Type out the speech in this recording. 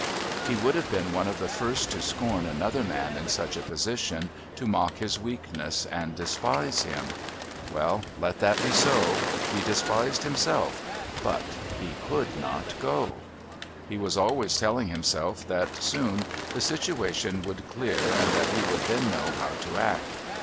He would have been one of the first to scorn another man in such a position, to mock his weakness and despise him. Well, let that be so. He despised himself but he could not go. He was always telling himself that soon the situation would clear and that he would then know how to act.